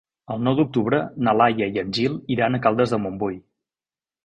El nou d'octubre na Laia i en Gil iran a Caldes de Montbui.